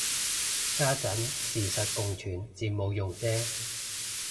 家陣事實共存至冇用啫